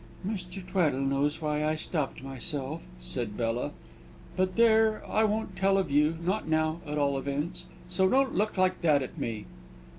"Mr. Tweddle knows why I stopped myself," said Bella. "But there, I won't tell of you not now, at all events; so don't look like that at me!"